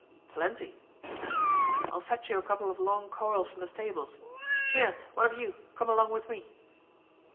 "Plenty," the man said. "I will fetch you a couple of long coils from the stables. Here, one of you, come along with me."